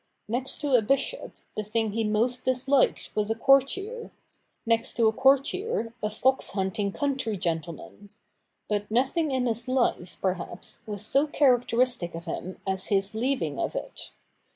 Next to a bishop, the thing he most disliked was a courtier ; next to a courtier, a fox hunting country gentleman. But nothing in his life, perhaps, was so characteristic of him as his leaving of it.